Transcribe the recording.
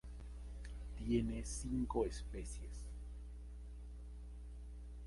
Tiene cinco especies.